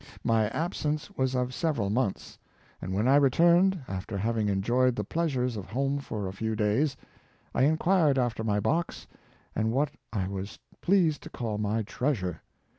My absence was of several months, and when I returned, after having enjoyed the pleasures of home for a few da3^s, I inquired after my box, and what I was pleased to call my treasure.